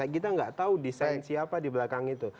kita tidak tahu design siapa di belakang itu